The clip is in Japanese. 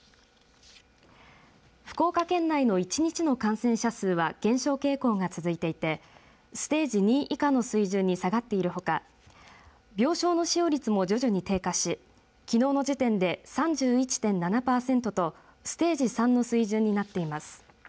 福岡県内の１日の感染者数は減少傾向が続いていてステージ２以下の水準に下がっているほか病床の使用率も徐々に低下しきのうの時点で３１．７パーセントとステージ３の水準になっています。